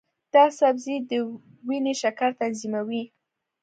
دا سبزی د وینې شکر تنظیموي.